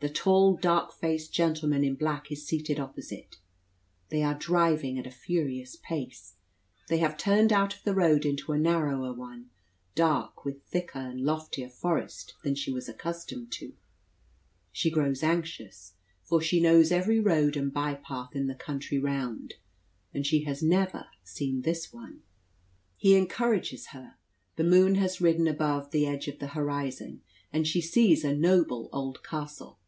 The tall dark faced gentleman in black is seated opposite; they are driving at a furious pace; they have turned out of the road into a narrower one, dark with thicker and loftier forest than she was accustomed to. She grows anxious; for she knows every road and by path in the country round, and she has never seen this one. He encourages her. The moon has risen above the edge of the horizon, and she sees a noble old castle.